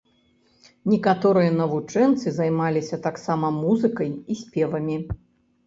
Некаторыя навучэнцы займаліся таксама музыкай і спевамі.